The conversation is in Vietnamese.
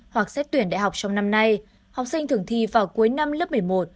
hoặc xét tuyển đại học trong năm nay học sinh thường thi vào cuối năm lớp một mươi một